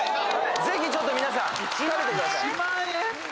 ぜひちょっと皆さん食べてください。